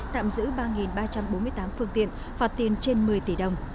tạm giữ ba ba trăm bốn mươi tám phương tiện phạt tiền trên một mươi tỷ đồng